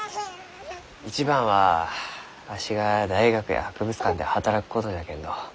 一番はわしが大学や博物館で働くことじゃけんど。